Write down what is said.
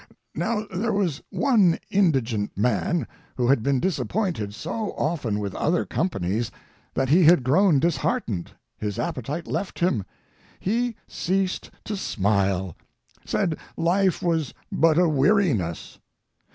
Now there was one indigent man who had been disappointed so often with other companies that he had grown disheartened, his appetite left him, he ceased to smile—said life was but a weariness.